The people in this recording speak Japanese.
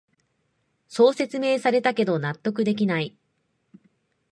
そう説明されたけど納得できない